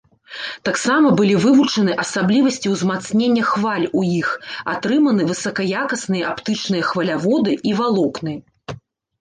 Таксама былі вывучаны асаблівасці ўзмацнення хваль у іх, атрыманы высакаякасныя аптычныя хваляводы і валокны.